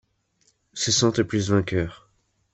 Se sentent plus vainqueurs.